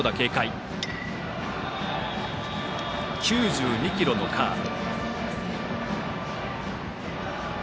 ９２キロのカーブ。